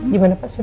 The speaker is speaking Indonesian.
gimana pak sudah